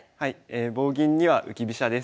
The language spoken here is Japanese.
「棒銀には浮き飛車」です。